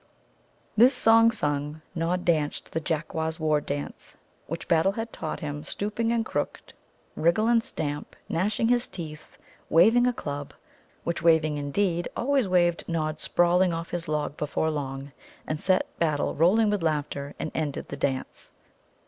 "] This song sung, Nod danced the Jaqquas' war dance, which Battle had taught him, stooping and crooked, "wriggle and stamp," gnashing his teeth, waving a club which waving, indeed, always waved Nod sprawling off his log before long, and set Battle rolling with laughter, and ended the dance.